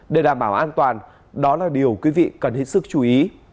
để đảm bảo an toàn đó là điều quý vị cần hết sức chú ý